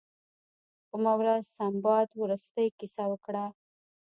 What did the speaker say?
اوومه ورځ سنباد وروستۍ کیسه وکړه.